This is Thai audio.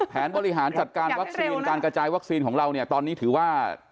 แผนบริหารจัดการวัคซีนการกระจายวัคซีนของเราเนี่ยตอนนี้ถือว่า